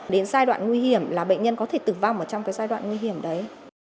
đến giai đoạn nguy hiểm là bệnh nhân có thể tử vong ở trong giai đoạn nguy hiểm đấy